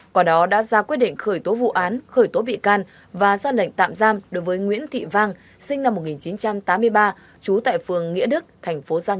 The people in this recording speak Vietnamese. qua đó đã ra quyết định khởi tố vụ án khởi tố bị can